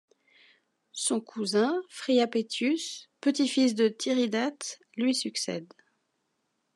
Son cousin Phriapetius, petit-fils de Tiridate, lui succède.